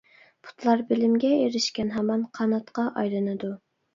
پۇتلار بىلىمگە ئېرىشكەن ھامان قاناتقا ئايلىنىدۇ.